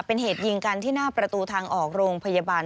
เป็นเหตุยิงกันที่หน้าประตูทางออกโรงพยาบาล